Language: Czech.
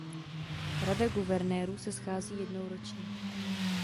Rada guvernérů se schází jednou ročně.